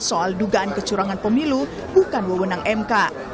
soal dugaan kecurangan pemilu bukan wewenang mk